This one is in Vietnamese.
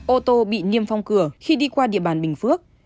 ô tô bị niêm phong cửa khi đi qua địa bàn bình phước